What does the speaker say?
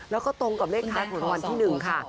แล้วก็ตรงกับเลข๔เป็นรางวัลที่๑ค่ะ